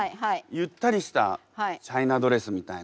ゆったりしたチャイナドレスみたいな。